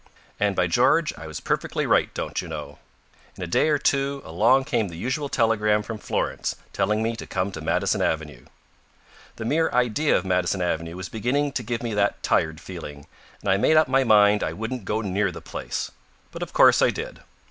And, by George, I was perfectly right, don't you know. In a day or two along came the usual telegram from Florence, telling me to come to Madison Avenue. The mere idea of Madison Avenue was beginning to give me that tired feeling, and I made up my mind I wouldn't go near the place. But of course I did.